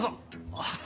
あっ。